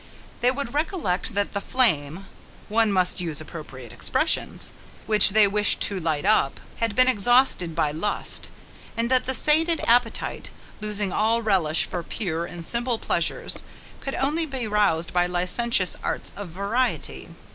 They would recollect that the flame, (one must use appropriate expressions,) which they wished to light up, had been exhausted by lust, and that the sated appetite, losing all relish for pure and simple pleasures, could only be roused by licentious arts of variety.